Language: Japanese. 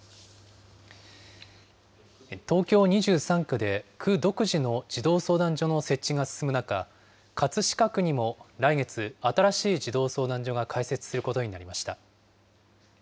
東京２３区で、区独自の児童相談所の設置が進む中、葛飾区にも来月、新しい児童相談所が開設することになりました。